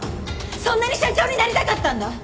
そんなに社長になりたかったんだ！